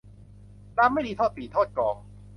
รำไม่ดีโทษปี่โทษกลอง